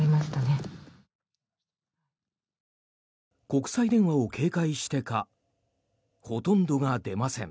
国際電話を警戒してかほとんどが出ません。